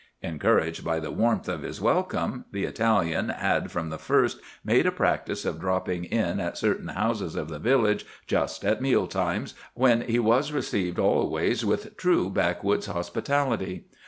Encouraged by the warmth of his welcome, the Italian had from the first made a practice of dropping in at certain houses of the village just at meal times—when he was received always with true backwoods hospitality.